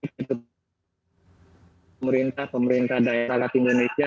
pemerintah pemerintah daerah daerah indonesia